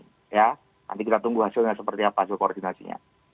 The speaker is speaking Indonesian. nanti kita tunggu hasilnya seperti apa hasil koordinasinya